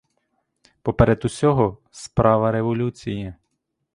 Поперед усього — справа революції.